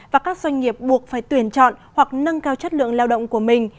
và các doanh nghiệp buộc phải tuyển chọn hoặc nâng cao chất lượng lao động của mình